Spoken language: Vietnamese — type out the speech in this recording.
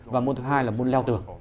và môn thứ hai là môn leo tường